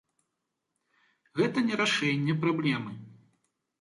Гэта не рашэнне праблемы.